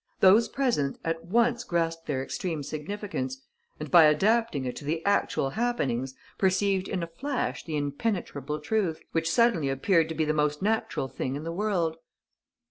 Those present at once grasped their extreme significance and, by adapting it to the actual happenings, perceived in a flash the impenetrable truth, which suddenly appeared to be the most natural thing in the world.